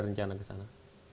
rencana ke sana